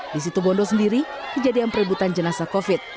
di situ bondo sendiri kejadian perebutan jenazah covid